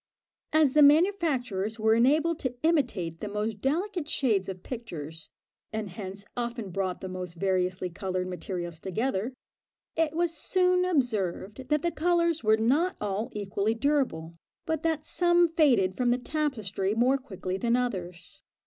As the manufacturers were enabled to imitate the most delicate shades of pictures, and hence often brought the most variously coloured materials together, it was soon observed that the colours were not all equally durable, but that some faded from the tapestry more quickly than others.